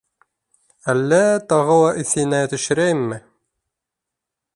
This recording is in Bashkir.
Әллә тағы ла иҫеңә төшөрәйемме.